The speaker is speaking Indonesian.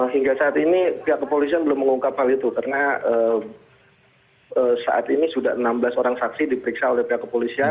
hingga saat ini pihak kepolisian belum mengungkap hal itu karena saat ini sudah enam belas orang saksi diperiksa oleh pihak kepolisian